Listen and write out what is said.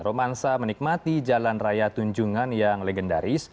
romansa menikmati jalan raya tunjungan yang legendaris